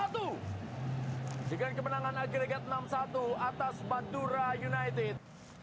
satu satu dengan kemenangan agregat enam satu atas bandura united